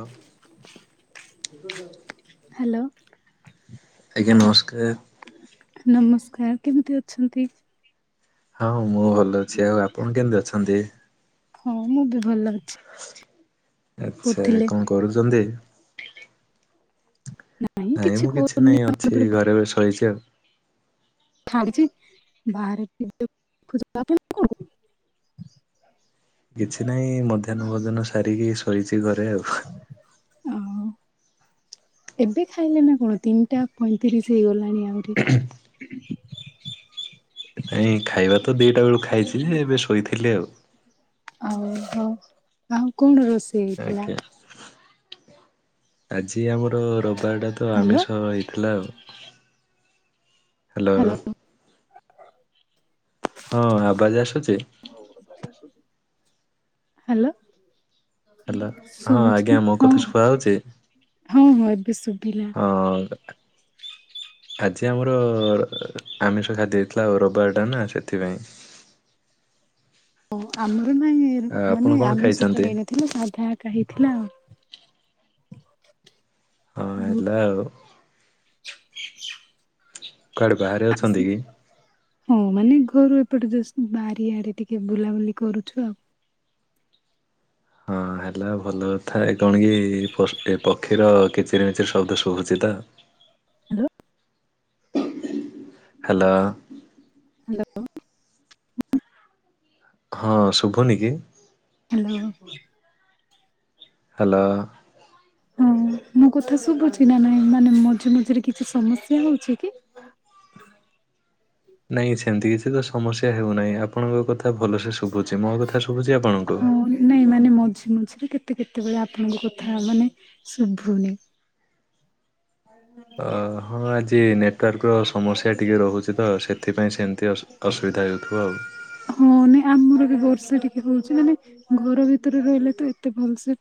ଅ। ହ୍ୟାଲୋ। ଆଜ୍ଞା ନମସ୍କାର। ନମସ୍କାର କେମିତି ଅଛନ୍ତି? ହଁ ମୁଁ ଭଲ ଅଛି ଆଉ ଆପଣ କେମିତି ଅଛନ୍ତି? ହଁ ମୁଁ ବି ଭଲ ଅଛି। ଆଚ୍ଛା କହୁଥିଲେ କଣ କରୁଛନ୍ତି? ନାଇଁ ମୁଁ କିଛି ନାଇଁ ଅଛି ଘରେ ଏବେ ସୋଇଛି ଆଉ। ଛାଡିଛି ବାହାରେ [unintelligible] କିଛି ନାହିଁ ମଧ୍ୟାହ୍ନ ଭୋଜନ ସାରିକି ସୋଇଛି ଘରେ ଆଉ। ଓହୋ। ଏବେ ଖାଇଲ ନା କଣ ତିନିଟା ପଇଁତିରିଶ ହେଇଗଲାଣି ଆହୁରି। ନାଇଁ ଖାଇବା ତ ଦିଟା ବେଳକୁ ଖାଇଛି ଯେ ଏବେ ଶୋଇଥିଲି ଆଉ। ଓହୋ ଆଉ କଣ ରୋଷ ଆଜ୍ଞା ଆଜି ଆମର ରବିବାରଟା ତ ହ୍ୟାଲୋ ଆମିଷ ହେଇଥିଲା ଆଉ। ହ୍ୟାଲୋ। ହଁ ଆବାଜ ଆସୁଛି? ହ୍ୟାଲୋ। ହ୍ୟାଲୋ ହଁ ଶୁଭୁଛି ଆଜ୍ଞା କି ମୋ ହଁ କଥା ଶୁଭା ହଉଛି? ହଁ ଏବେ ଶୁଭିଲା। ହଁ। ଆଜି ଆମର ଆମିଷ ଖାଦ୍ୟ ହେଇଥିଲା ଆଉ ରବିବାରଟା ନା ସେଥିପାଇଁ ଓ ଆ, [unintelligible] ଆପଣ ମାନେ କଣ ଆମିଷ ତ ଖାଇଛନ୍ତି? ହେଇ ନ ଥିଲେ ସାଧା ଆକା ହେଇଥିଲା। ହଁ ହେଲା ଆଉ କୁଆଡେ ବାହାରେ ଆଉ ଅଛନ୍ତି କି? ହଁ ମାନେ ଘରୁ ଏପଟେ ଜଷ୍ଟ ବାରି ଆଡ ଟିକେ ବୁଲାବୁଲି କରୁଛୁ ଆଉ। ହଁ ହେଲା ଭଲ କଥା ଏ କଣ କି ଏ ପକ୍ଷୀର କିଚିରି ମିଚିରି ଶବ୍ଦ ଶୁଭୁଛି ତ। ହ୍ୟାଲୋ। ହ୍ୟାଲୋ। ହ୍ୟାଲୋ। ହଁ, ଶୁଭୁନି କି? ହ୍ୟାଲୋ। ହ୍ୟାଲୋ। ହଁ ମୋ କଥା ଶୁଭୁଛି ନା ନାଇଁ? ମାନେ ମଝି ମଝିରେ କିଛି ସମସ୍ୟା ହଉଛି କି? ନାଇଁ ସେମିତି କିଛି ତ ସମସ୍ୟା ହେଉନାହିଁ। ଆପଣଙ୍କ କଥା ଭଲସେ ସୁ ଶୁଭୁଛି। ମୋ କଥା ଶୁଭୁଛି ଆପଣଙ୍କୁ? ହଁ ନାଇଁ ମାନେ ମଝି ମଝିରେ କେତେ କେତେବେଳେ ଆପଣଙ୍କ କଥା ମାନେ ଶୁଭୁନି। ଅ ହଁ ଆଜି ନେଟୱାର୍କର ସମସ୍ୟା ଟିକେ ରହୁଛି ତ ସେଥିପାଇଁ ସେମିତି ଅସୁ ଅସୁବିଧା ହେଉଥିବ ଆଉ। ହଁ ନାଇଁ ଆମର ବି ବର୍ଷା ଟିକେ ହଉଛି ମାନେ ଘର ଭିତରେ ରହିଲେ ତ ଏତେ ଭଲସେ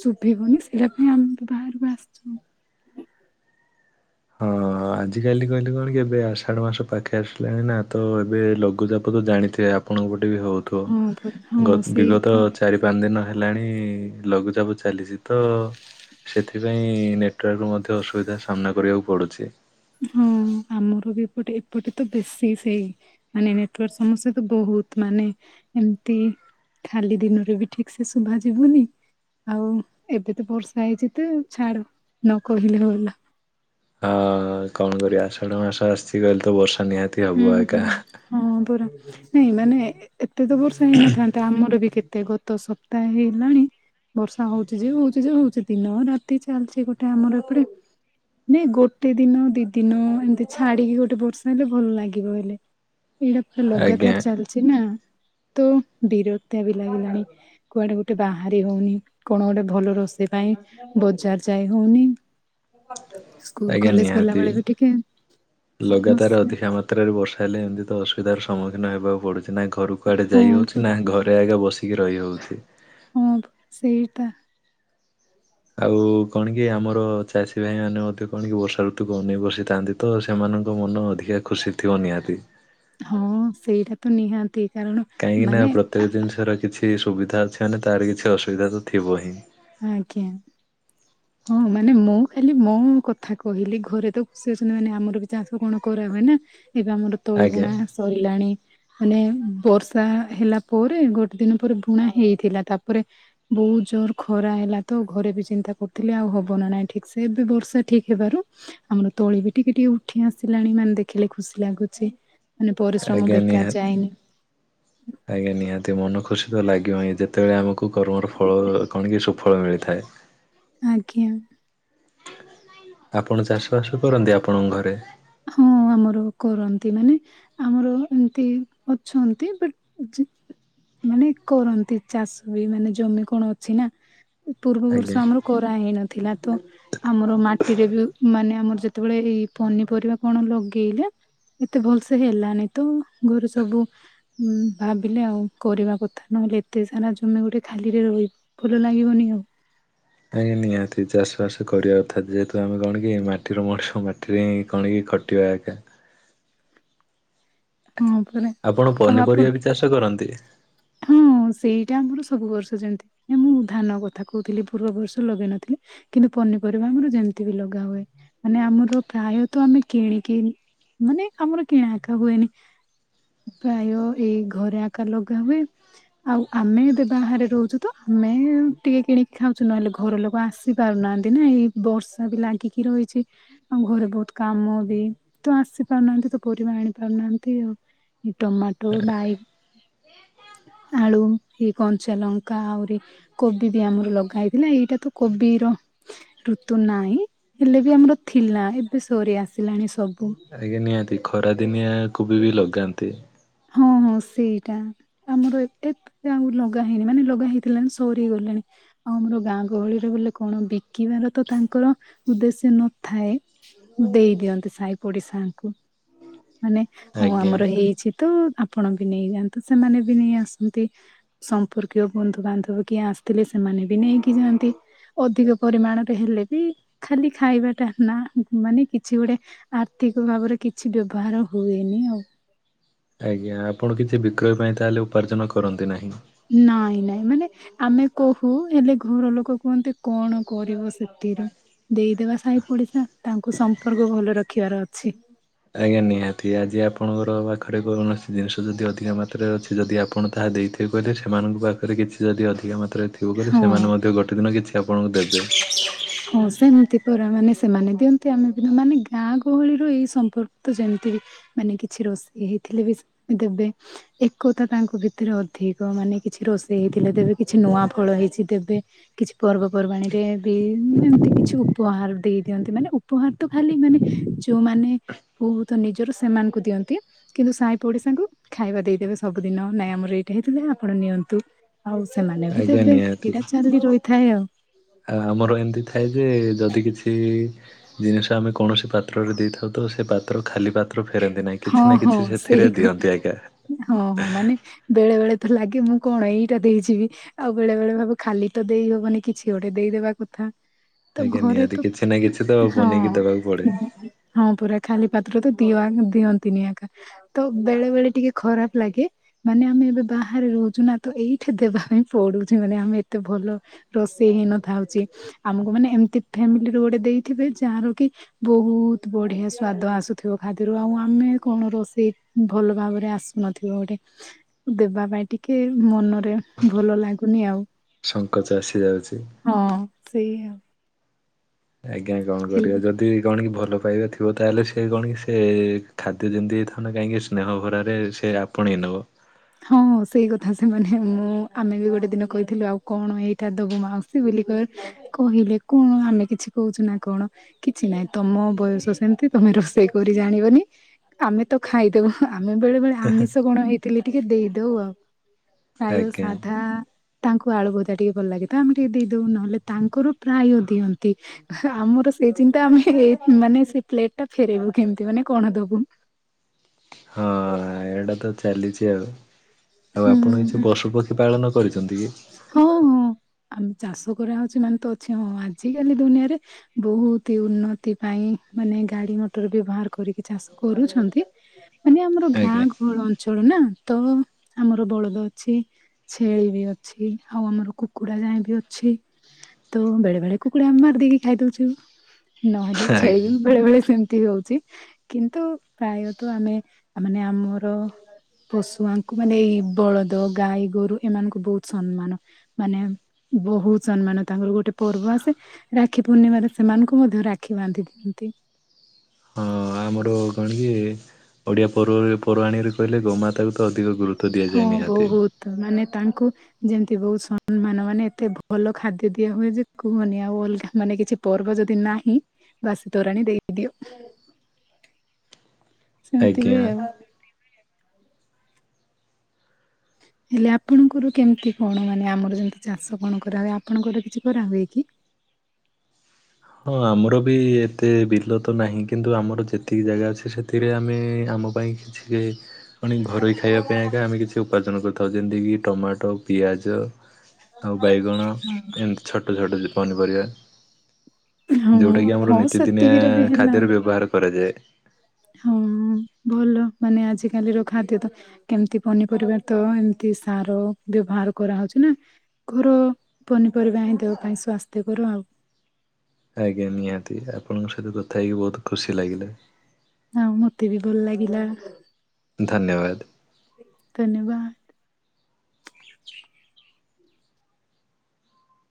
ଶୁଭିବନି ସେଇଟା ପାଇଁ ଆମେ ବି ବାହାରକୁ ଆସିଚି। ହଁ। ଆଜିକାଲି କହିଲେ କଣ କି ଏବେ ଆଷାଢ଼ ମାସ ପାଖେଇ ଆସିଲାଣି ନା, ତ ଏବେ ଲଘୁଚାପ ତ ଜାଣିଥିବେ ଆ ଆପଣଙ୍କ ପଟେ ବି ହଉଥିବ। ହଁ ପରା ହଁ ଗ ସେଇ ବିଗତ ତ ଚାରି ପାଞ୍ଚ ଦିନ ହେଲାଣି ଲଘୁଚାପ ଚାଲିଚି ତ ସେଥିପାଇଁ ନେଟୱାର୍କ ର ମଧ୍ୟ ଅସୁବିଧା ସାମ୍ନା କରିବାକୁ ପଡୁଛି। ହଁ, ଆମର ବି ଏପଟେ ଏପଟେ ତ ବେଶୀ ସେଇ ମାନେ ନେଟୱାର୍କ ସମସ୍ୟା ତ ବହୁତ। ମାନେ ଏମତି ଖାଲି ଦିନରେ ବି ଠିକ୍ ସେ ଶୁଭା ଯିବନି ଆଉ ଏବେ ତ ବର୍ଷା ହେଇଚି ତ ଛାଡ ନ କହିଲେ ଭଲ। ହଁ, କଣ କରିବା ଆଷାଢ ମାସ ଆସିଗଲେ ତ ବର୍ଷା ନିହାତି ହବ ହୁଁ, ହୁଁ, ଏକା। ହଁ ପର ନାଇଁ ମାନେ ଏତେ ତ ବର୍ଷା ହେଇନଥାନ୍ତା। ଆମର ବି କେତେ ଗତ ସପ୍ତାହେ ହେଇଗଲାଣି ବର୍ଷା ହଉଚି ଯେ ହଉଚି ଯେ ହଉଚି ଦିନ ରାତି ଚାଲିଚି ଗୋଟେ ଆମର ଏପଟେ। ନାଇଁ ଗୋଟେ ଦିନ ଦି ଦିନ ଏମିତି ଛାଡିକି ଗୋଟେ ବର୍ଷା ହେଲେ ଭଲ ଲାଗିବ ହେଲେ। ଏଇଟା ପୁରା ଆଜ୍ଞା ଲଗାତାର ଚାଲିଚି ନା। ତ ବିରକ୍ତିଆ ବି ଲାଗିଲାଣି। କୁଆଡେ ଗୋଟେ ବାହାରି ହଉନି। କଣ ଗୋଟେ ଭଲ ରୋଷେଇ ପାଇଁ ବଜାର୍ ଯାଇ ହଉନି। ସ୍କୁଲ ଆଜ୍ଞା କଲେଜ ନିହାତି। ଗଲାବେଳେ ବି ଟିକେ ଲଗାତାର ସମସ୍ୟା। ଅଧିକା ବର୍ଷା ହେଲେ ଏମିତି ତ ଅସୁବିଧାର ସମ୍ମୁଖୀନ ହେବାକୁ ପଡୁଛି। ନା ଘରୁ କୁଆଡେ ହଁ ଯାଇ ହେଉଛି ପରା ନା ଘରେ ଆଗେ ବସି ଟିକେ ରହି ହଉଚି। ହଁ ସେଇଟା। ଆଉ କଣ କି ଆମର ଚାଷୀ ଭାଇ ମାନେ ମଧ୍ୟ କଣ କି ବର୍ଷା ଋତୁକୁ ଅନେଇ ବସିଥାନ୍ତି। ତ ସେମାନଙ୍କ ମନ ଅଧିକା ଖୁସି ଥିବ ନିହାତି। ହଁ ସେଇଟା ତ ନିହାତି। କାରଣ କାହିଁକିନା ମାନେ ପ୍ରତ୍ୟେକ ଜିନିଷର କିଛି ସୁବିଧା ଅଛି ମାନେ ତାର କିଛି ଅସୁବିଧା ତ ଥିବ ହିଁ। ଆଜ୍ଞା। ହଁ ମାନେ ମୁଁ ଖାଲି ମୋ କଥା କହିଲି। ଘରେ ତ ଖୁସି ଅଛନ୍ତି ମାନେ ଆମର ବି ଚାଷ କଣ କରା ହୁଏ ନା। ଏବେ ଆମର ତଳି ଆଜ୍ଞା ବୁଣା ସରିଲାଣି। ମାନେ ବର୍ଷା ହେଲା ପରେ ଗୋଟେ ଦିନ ପରେ ବୁଣା ହେଇଥିଲା। ତାପରେ ବହୁତ ଜୋର ଖରା ହେଲା ତ ଘରେ ବି ଚିନ୍ତା କରୁ ଥିଲେ ଆଉ ହବ ନା ନାଇଁ ଠିକ୍ ସେ। ଏବେ ବର୍ଷା ଠିକ୍ ହେବାରୁ ଆମର ତଳି ବି ଟିକେ ଟିକେ ଉଠି ଆସିଲାଣି। ମାନେ ଦେଖିଲେ ଖୁସି ଲାଗୁଛି। ମାନେ ପରିଶ୍ରମ ଆଜ୍ଞା ବେକାର ନିହାତି ଯାଏନି। ଆଜ୍ଞା ନିହାତି। ମନ ଖୁସି ତ ଲାଗିବ ହିଁ। ଯେତେବେଳେ ଆମକୁ କୁ କର୍ମର ଫଳ କଣ କି ସୁଫଳ ମିଳିଥାଏ। ଆଜ୍ଞା। ଆପଣ ଚାଷବାସ କରନ୍ତି ଆପଣଙ୍କ ଘରେ? ହଁ ଆମର କରନ୍ତି ମାନେ। ଆମର ଏମିତି ଅଛନ୍ତି ବଟ ଜେ ମାନେ କରନ୍ତି ଚାଷ ବି ମାନେ ଜମି କଣ ଅଛି ନା ପୂର୍ବବର୍ଷ ଆଜ୍ଞା। ଆମର କରାହେଇନଥିଲା ତ ଆମର ମାଟିରେ ବି ମାନେ ଆମର ଯେତେବେଳେ ଏଇ ପନି ପରିବା କଣ ଲଗେଇଲେ ଏତେ ଭଲସେ ହେଲାନି ତ ଘରେ ସବୁ ହୁଁ ଭାବିଲେ ଆଉ କରିବା କଥା ନହେଲେ ଏତେ ସାରା ଜମି ଗୋଟେ ଖାଲିରେ ରହିବ ଫୁଲ ଲାଗିବନି କ ଆଜ୍ଞା ନିହାତି ଚାଷ ବାସ କରିବା କଥା ଯେହେତୁ ଆମେ କଣ କି ମାଟିର ମଣିଷ ମାଟିରେ ହିଁ କଣ କି ଖ [unintelligible] ହଁ ପରା ଆପଣ ଆଉ ଆପଣ ପନିପରିବା ବି ଚାଷ କରନ୍ତି? ହଁ ସେଇଟା ଆମର ସବୁ ବର୍ଷ ଯେମିତି ମୁଁ ଧାନ କଥା କହୁଥିଲି ପୂର୍ବର୍ଷ ଲଗେଇ ନଥିଲି। କିନ୍ତୁ ପନିପରିବା ଆମର ଯେମିତି ବି ଲଗା ହୁଏ ମାନେ ଆମର ପ୍ରାୟତ ଆମେ କିଣିକି ମାନେ ଆମର କିଣା ଏକା ହୁଏନି। ପ୍ରାୟ ଏଇ ଘରେ ଆକାର ଲଗା ହୁଏ। ଆଉ ଆମେ ଏବେ ବାହାରେ ରହୁଛୁ ତ ଆମେ ଟିକେ କିଣିକି ଖାଉଛୁ ନହେଲେ ଘର ଲୋକ ଆସ ପାରୁନାହାନ୍ତି ନା ଏଇ ବର୍ଷା ବି ଲାଗିକି ରହିଛି। ଆଉ ଘରେ ବହୁତ କାମ ବି ତ ଆସି ପାରୁନାହାନ୍ତି ତ ପରିବା ଆଣି ପାରୁନାହାନ୍ତି ଆଉ। ଏଇ ଟମାଟୋ ବାଇ ଆଳୁ, ଏଇ କଞ୍ଚାଲଙ୍କା ଆହୁରି କୋବି ବି ଆମର ଲଗା ହେଇଥିଲା ଏଇଟା ତ କୋବିର ଋତୁ ନାହିଁ ହେଲେ ବି ଆମର ଥିଲା ଏବେ ସରି ଆସିଲାଣି ସବୁ। ଆଜ୍ଞା ନିହାତି ଖରା ଦିନିଆ କୋବି ବି ଲଗାନ୍ତି। ହଁ ହଁ ସେଇଟା ଆମର ଏତ ତେ ଯେ ଆଉ ଲଗା ହେଇନି ମାନେ ଲଗା ହେଇଥିଲା ନା ସରି ଗଲାଣି ଆଉ ଆମର ଗାଁ ଗହଳିରେ ବୋଲେ କଣ ବିକିବାର ତ ତାଙ୍କର ଉଦ୍ଦେଶ୍ୟ ନଥାଏ ଦେଇ ଦିଅନ୍ତି ସାହି ପଡିଶାଙ୍କୁ ମାନେ ହଁ ଆଜ୍ଞା। ଆମର ହେଇଛି ତ ଆପଣ ବି ନେଇଯାଆନ୍ତୁ ସେମାନେ ବି ନେଇ ଆସନ୍ତି ସମ୍ପର୍କୀୟ ବନ୍ଧୁ ବାନ୍ଧବ କିଏ ଆସିଥିଲେ ସେମାନେ ବି ନେଇକି ଯାଆନ୍ତି। ଅଧିକ ପରିମାଣରେ ହେଲେ ବି ଖାଲି ଖାଇବାଟା ନା ମାନେ କିଛି ଗୋଟେ ଆର୍ଥିକ ଭାବରେ କିଛି ବ୍ୟବହାର ହୁଏନି ଆଉ ଆଜ୍ଞା ଆପଣ କିଛି ବିକ୍ରୟ ପାଇଁ ତାହେଲେ ଉପାର୍ଜନ କରନ୍ତି ନାହିଁ ନାଇଁ ନାଇଁ ମାନେ ଆମେ କହୁ ହେଲେ ଘର ଲୋକ କୁହନ୍ତି କଣ କରିବ ସେଥିରେ ଦେଇଦେବା ସାହି ପଡିଶା ତାଙ୍କୁ ସମ୍ପର୍କ ଭଲ ରଖିବାର ଅଛି। ଆଜ୍ଞା ନିହାତି ଆଜି ଆପଣଙ୍କର ପାଖରେ କୌଣସି ଜିନିଷ ଯଦି ଅଧିକା ମାତ୍ରାରେ ଅଛି ଯଦି ଆପଣ ତାହା ଦେଇଥିବେ ତି କହିଲେ ସେମାନଙ୍କ ପାଖରେ କିଛି ଯଦି ଅଧିକା ମାତ୍ରାରେ ଥିବ କହିଲେ ହଁ। ସେମାନେ ମଧ୍ୟ ଗୋଟେ ଦିନ କିଛି ଆପଣଙ୍କୁ ଦେବେ ହଁ ସେମିତି ପରା ମାନେ ସେମାନେ ଦିଅନ୍ତି ଆମେ ବି ମାନେ ଗାଁ ଗହଳିର ଏଇ ସମ୍ପର୍କ ତ ଯେମିତି ବି ମାନେ କିଛି ରୋଷେଇ ହେଇଥିଲେ ବି ସେମାନେ ଦେବେ ଏକତା ତାଙ୍କ ଭିତରେ ଅଧିକ ତ ମାନେ କିଛି ରୋଷେଇ ହେଇଥିଲେ ଦେବେ କିଛି ନୂଆ ଫଳ ହେଇଛି ଦେବେ କିଛି ପର୍ବପର୍ବାଣୀ ରେ ବି ଏମତି କିଛି ଉପହାର ଦେଇ ଦିଅନ୍ତି ମାନେ ଉ ଉପହାର ତ ଖାଲି ମାନେ ଯୋଉମାନେ ବହୁତ ନିଜର ସେମାନଙ୍କୁ ଦିଅନ୍ତି କିନ୍ତୁ ସାଇ ପୋଡିଶାଙ୍କୁ ଖାଇବା ଦେଇଦେବେ ସବୁଦିନ ନାଇଁ ଆମର ଏଇଟା ହେଇ ଆପଣ ନିଅନ୍ତୁ ଆଉ ସେମାନେ ବି ଆଜ୍ଞା ଦେବେ ଏଟା ଚାଲି ରହିଥାଏ ଆଉ ଆ ଆମର ଏମିତି ଥାଏ ଯେ ଯଦି କିଛି ଜିନିଷ ଆମେ କୌଣସି ପାତ୍ରରେ ଦେଇଥାଉ ତ ସେ ପାତ୍ର ଖାଲି ପାତ୍ର କୁ ଫେରାନ୍ତି ନାଇଁ। ହଁ କିଛି ନା ହଁ କିଛି ସେଥିରେ ସେଇ କଥା ଦିଅନ୍ତି ଏକା। ହଁ ହଁ ମାନେ ବେଳେ ବେଳେ ତ ଲାଗେ ମୁଁ କଣ ଏଇଟା ଦେଇଯିବି। ଆଉ ବେଳେ ବେଳେ ଭାବୁ ଖାଲି ତ ଦେଇ ହବନି କିଛି ଗୋଟେ ଦେଇଦବା କଥା। ତ ଆଜ୍ଞା ଘରେ ନିହାତି ତ, କିଛି ନା କିଛି ତ ହଁ। ବନେଇକି ଦେବାକୁ ପଡେ। ହଁ ପୁରା ଖାଲି ପାତ୍ର ତ ପିଇବାକୁ ଦିଅନ୍ତିନି ଏକା। ତ ବେଳେ ବେଳେ ଟିକେ ଖରାପ ଲାଗେ। ମାନେ ଆମେ ଏବେ ବାହାରେ ରହୁଛୁ ନା ତ ଏଇଠି ଦେବା ପାଇଁ ପଡୁଛି ମାନେ ଆମେ ଏତେ ଭଲ। ରୋଷେଇ ହେଇନଥାଉଛି ଆମକୁ ମାନେ ଏମିତି ଫ୍ୟାମିଲି ର ଗୋଟେ ଦେଇଥିବେ ଯାହାର କି ବହୁତ ବଢିଆ ସ୍ଵାଦ ଆସୁଥିବ ଖାଦ୍ୟରୁ ଆଉ ଆଁ ଆମେ କଣ ରୋଷେଇ ଭଲ ଭାବରେ ଆସୁନଥିବ ଗୋଟେ। ଦେବା ପାଇଁ ଟିକେ ମନରେ ଭଲ ଲାଗୁନି ଆଉ। ସଙ୍କଚ ଆସି ଯାଉଛି। ହଁ ସେଇ ଆ। ଆଜ୍ଞା କଣ କରିବା? ଯଦି କଣ କି ଭଲ ପାଇବା ଥି ଥିବ ତା ହେଲେ ସେ କଣ କି ସେ ଖାଦ୍ୟ ଯେମିତି ଥାଉ ନା କାହିଁକି ସ୍ନେହ ଭରାରେ ସେ ଆପଣେଇ ନେବ। ହଁ ସେଇ କଥା ସେମାନେ ମୁଁ ଆମେ ବି ଗୋଟେ ଦିନ କହିଥିଲୁ ଆଉ କଣ ଏଇଟା ଦବୁ ମାଉସୀ ବୋଲି କହ କହିଲେ କଣ ଆମେ କିଛି କହୁଛୁ ନା କଣ? କିଛି ନାଇଁ। ତମ ବୟସ ସେମିତି ତମେ ରୋଷେଇ କରି ଜାଣିବନି। ଆମେ ତ ଖାଇଦେବୁ। ଆମେ ବେଳେ ବେଳେ ଆମିଷ କଣ ହେଇଥିଲେ ଟିକେ ଦେଇଦଉ ଆଉ। ପ୍ରାୟ ଆଜ୍ଞା ସାଧା ତାଙ୍କୁ ଆଳୁଭଜା ଟିକେ ଭଲ ଲାଗେ ତ ଆମେ ଟିକେ ଦେଇଦେଉ ନହେଲେ ତାଙ୍କର ପ୍ରାୟ ଦିଅନ୍ତି। ଆମର ସେଇ ଚିନ୍ତା ଆମେ ଏଇ ମାନେ ସେ ପ୍ଲେଟ ଟା ଫେରେଇବୁ କେମିତି? ମାନେ କଣ ଦବୁ? ହଁ ଏଇଟା ତ ଚାଲିଛି ଆଉ। ଆଉ ଆପଣ ହୁଁ କିଛି ପଶୁପକ୍ଷୀ ପାଳନ କରିଛନ୍ତି କି? ହଁ ହଁ। ଆମେ ଚାଷ କରାହଉଛି ମାନେ ତ ଅଛି। ହଁ ହଁ, ଆଜିକାଲି ଦୁନିଆରେ ବହୁତି ଉନ୍ନତି ପାଇଁ ମାନେ ଗାଡି ମଟର ବ୍ୟବହାର କରିକି ଚାଷ କରୁଛନ୍ତି। ମାନେ ଆମର ଗାଁ ଆଜ୍ଞା ଗହଳ ଅଞ୍ଚଳ ନା ତ ଆମର ବଳଦ ଅଛି। ଛେଳି ବି ଅଛି। ଆଉ ଆମର କୁକୁଡା ଯାଏ ବି ଅଛି। ତ ବେଳେ ବେଳେ କୁକୁଡା ମାରି ଦେଇକି ଖାଇ ଦଉଛୁ। ନହେଲେ ଛେଳି ବି ଆଜ୍ଞା ବେଳେ ବେଳେ ସେମ ତି ହଉଛି। କିନ୍ତୁ ପ୍ରାୟତଃ ଆମେ ତାମାନେ ଆମର ପଶୁଆଙ୍କୁ ମାନେ ଏଇ ବଳଦ, ଗାଈ, ଗୋରୁ ଏମାନଙ୍କୁ ବହୁତ ସନମାନ। ମାନେ ବହୁତ ସନମାନ। ତାଙ୍କର ଗୋଟେ ପର୍ବ ଆସେ। ରାକ୍ଷୀ ପୂର୍ଣ୍ଣିମାରେ ସେମାନଙ୍କୁ ମଧ୍ୟ ରାକ୍ଷୀ ବାନ୍ଧି ଦିଅନ୍ତି। ହଁ ଆମର କଣ କି ଓଡ଼ିଆ ପର୍ବରେ ପର୍ବାଣୀରେ କହିଲେ ଗୋମାତାକୁ ତ ଅଧିକ ଗୁରୁ ହଁ ବହୁତ। ମାନେ ତାଙ୍କୁ ଯେମତି ବହୁତ ସନମାନ। ମାନେ ଏତେ ଭଲ ଖାଦ୍ୟ ଦିଆ ହୁଏ ଯେ କୁହନି ଆଉ ଅଲଗା ମାନେ କିଛି ପର୍ବ ଯଦି ନାହିଁ ବାସ୍ ତୋରାଣୀ ଦେଇଦିଅ। ହ ସେମତି ହୁଏ ଆଉ ହେଲେ ଆପଣଙ୍କର କେମିତି କଣ ମାନେ ଆମର ଯେମତି ଚାଷ କଣ କରାହୁଏ? ଆପଣଙ୍କର କିଛି କରାହୁଏ କି? ହଁ ଆମର ବି ଏତେ ବିଲ ତ ନାହିଁ। କିନ୍ତୁ ଆମର ଯେତିକି ଜାଗା ଅଛି ସେ ସେଥିରେ ଆମେ ଆମ ପାଇଁ କିଛି ମାନେ ଘରୋଇ ଖାଇବା ପାଇଁ ଏକା ଆମେ କିଛି ଉପାର୍ଜନ କରିଥାଉ। ଯେମିତିକି ଟମାଟୋ, ପିଆଜ। ଆଉ ବାଇଗଣ ଏମିତି ଛୋଟ ଛୋଟ ଯେ ପନିପରିବା। ହଁ ଯଉଟା କିି ଆମର ହଁ ନିତିଦିନିଆ ସେତିକିରେ ବି ହେଲା ଖାଦ୍ୟରେ ବ୍ୟବହାର କରାଯାଏ। ହଁ ଭଲ ମାନେ ଆଜିକାଲିର ଖାଦ୍ୟ ତ କେମତି ପନିପରିବା ତ ଏମତି ସାର ବ୍ୟବହାର କରାହଉଛି ନା ଘର ପନିପରିବା ହିଁ ଦେହ ପାଇଁ ସ୍ଵାସ୍ଥ୍ୟକର ଆଉ ଆଜ୍ଞା ନିହାତି। ଆପଣଙ୍କ ସହିତ କଥା ହେଇକି ବହୁତ ଖୁସି ଲାଗିଲା। ଆଉ ମତେ ବି ଭଲ ଲାଗିଲା। ଧନ୍ୟବାଦ। ଧନ୍ୟବାଦ।